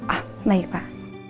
ah baik pak